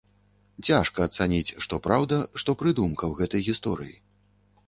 Цяжка ацаніць, што праўда, што прыдумка ў гэтай гісторыі.